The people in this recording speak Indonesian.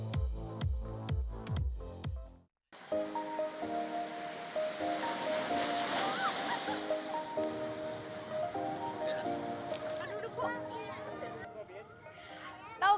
tidak ada yang tidak bisa diperhatikan